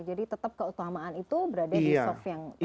jadi tetap keutamaan itu berada di soft yang depan ya